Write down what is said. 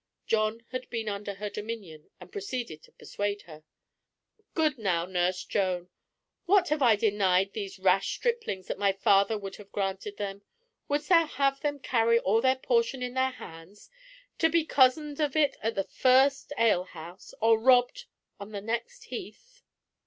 John had been under her dominion, and proceeded to persuade her. "Good now, Nurse Joan, what have I denied these rash striplings that my father would have granted them? Wouldst thou have them carry all their portion in their hands, to be cozened of it at the first ale house, or robbed on the next heath?"